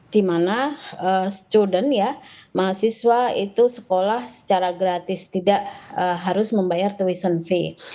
di mana student ya mahasiswa itu sekolah secara gratis tidak harus membayar tulisan v